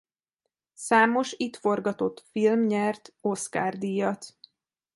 Számos itt forgatott film nyert Oscar-díjat.